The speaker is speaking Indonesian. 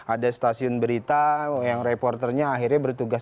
ada stasiun berita yang reporternya akhirnya bertugas